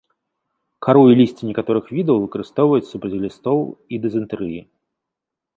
Кару і лісце некаторых відаў выкарыстоўваюць супраць глістоў і дызентэрыі.